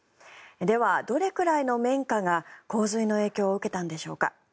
では、どれくらいの綿花が洪水の影響を受けたんでしょうか。